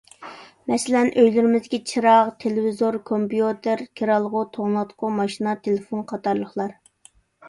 مەسىلەن، ئۆيلىرىمىزدىكى چىراغ، تېلېۋىزور، كومپيۇتېر، كىرئالغۇ، توڭلاتقۇ، ماشىنا، تېلېفون قاتارلىقلار.